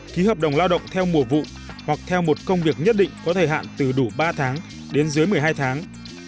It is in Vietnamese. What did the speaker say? ký hợp đồng lao động theo mùa vụ hoặc theo một công việc nhất định có thời hạn từ đủ ba tháng đến dưới một mươi hai tháng